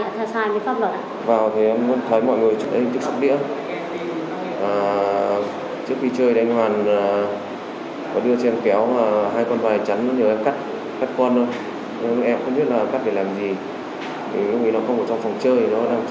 nó không có trong phòng chơi nó đang trong phòng khách thôi